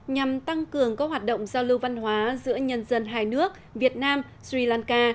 nhằm tăng cường các hoạt động giao lưu văn hóa giữa nhân dân hai nước việt nam sri lanka